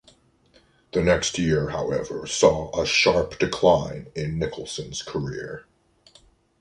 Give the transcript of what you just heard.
The next year, however, saw a sharp decline in Nicholson's career.